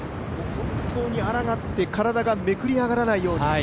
本当にあらがって、体がめくり上がらないように。